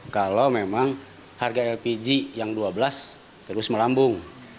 kalau memang harga lpg yang dua belas terus melambung